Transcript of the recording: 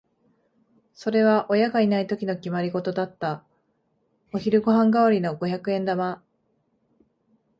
それは親がいないときの決まりごとだった。お昼ご飯代わりの五百円玉。